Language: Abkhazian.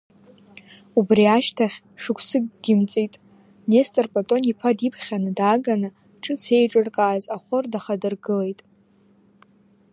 Убри ашьҭахь шықәсыкгьы мҵит, Нестор Платон диԥхьаны дааганы ҿыц еиҿыркааз ахор дахадыргылеит.